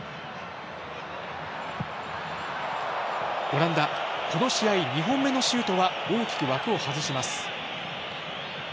オランダこの試合２本目のシュートは大きく枠を外します。